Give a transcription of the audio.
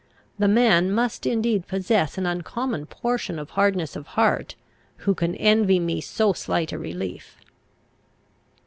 The man must indeed possess an uncommon portion of hardness of heart, who can envy me so slight a relief.